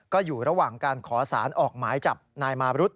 ก็อยู่ระหว่างการขอสารออกหมายจับนายมาบรุษ